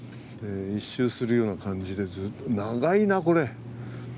１周するような感じでずっと、長いな、これ。